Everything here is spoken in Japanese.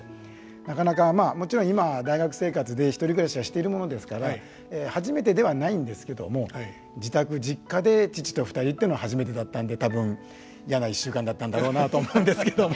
なかなかまあもちろん今大学生活で１人暮らしはしているものですから初めてではないんですけども自宅実家で父と２人というのは初めてだっんで多分嫌な１週間だったんだろうなと思うんですけども。